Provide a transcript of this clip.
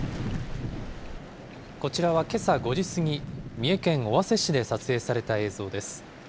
こちらはけさ５時過ぎ、三重県尾鷲市で撮影された映像です。